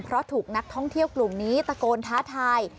เพราะถูกนักท่องเที่ยวกลุ่มนี้ตะโกนท้าทาย